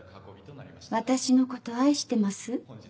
私のこと愛してます？